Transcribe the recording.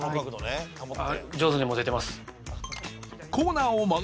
上手に持ててます。